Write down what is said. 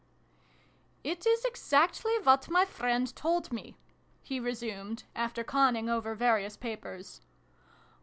" It is exactly what my friend told me," he resumed, after conning over various papers.